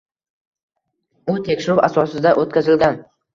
U tekshiruv asosida oʻtkazilgan